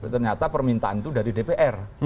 ternyata permintaan itu dari dpr